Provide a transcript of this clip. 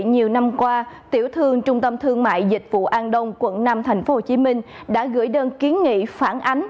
nhiều năm qua tiểu thương trung tâm thương mại dịch vụ an đông quận năm tp hcm đã gửi đơn kiến nghị phản ánh